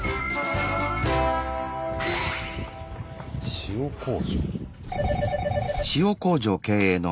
塩工場。